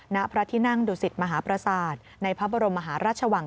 ณพระที่นั่งดุสิตมหาประสาทในพระบรมมหาราชวัง